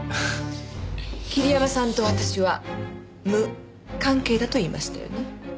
桐山さんと私は無関係だと言いましたよね？